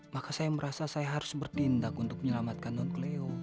maka saya merasa saya harus bertindak untuk menyelamatkan non cleo